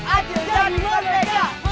acil jadi merdeka